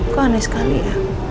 kok aneh sekali ya